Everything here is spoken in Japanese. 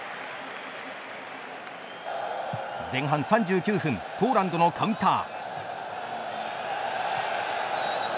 前半３９分ポーランドのカウンター。